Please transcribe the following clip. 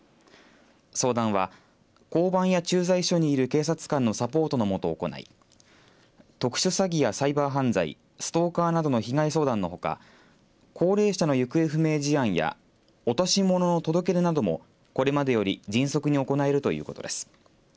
相談は、交番や駐在所にいる警察官のサポートの下、行い特殊詐欺やサイバー犯罪ストーカーなどの被害相談のほか高齢者の行方不明事案や落とし物の届け出などもこれまでより迅速に行えるということです。